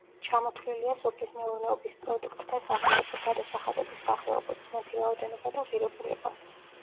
ჩამოთვლილია სოფლის მეურნეობის პროდუქტთა სახელები, გადასახადების სახეობები, მათი რაოდენობა და ღირებულება.